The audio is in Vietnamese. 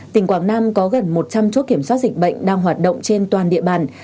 tỉnh quảng nam có gần một trăm linh chốt kiểm soát dịch bệnh đang hoạt động trên toàn địa bàn